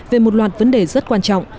về một loạt vấn đề rất quan trọng